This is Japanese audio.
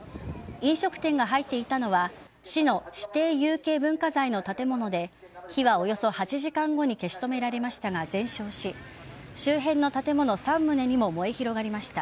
飲食店が入っていたのは市の指定有形文化財の建物で火はおよそ８時間後に消し止められましたが全焼し周辺の建物３棟にも燃え広がりました。